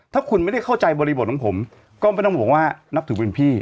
ถ้าคุณไม่ได้เข้าใจบริบทของผมก็ไม่ต้องบอกว่านับถือเป็นพี่